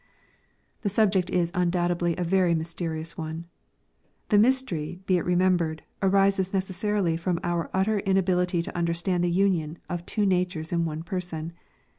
The subject is undoubtedly a very mysterious one. The mys tery, be it remembered, arises necessarily from our utter inability to understand the union of two natures in one Person.